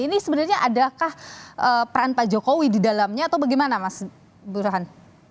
ini sebenarnya adakah peran pak jokowi di dalamnya atau bagaimana mas burhan